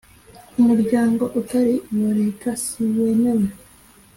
umuryango utari uwa leta siwemewe